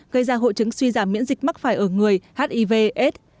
gây ra hội chứng suy giảm miễn dịch mắc phải ở người hiv aids